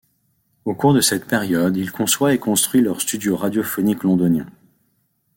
Au cours de cette période il conçoit et construit leur studio radiophonique londonien.